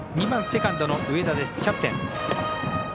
２番、セカンドの上田キャプテン。